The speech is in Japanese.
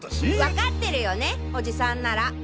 わかってるよねおじさんなら。